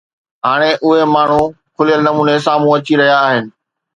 هاڻي اهي ماڻهو کليل نموني سامهون اچي رهيا آهن